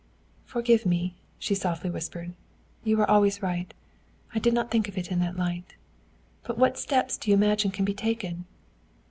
"Forgive me!" she softly whispered. "You are always right. I did not think of it in that light. But, what steps do you imagine can be taken?"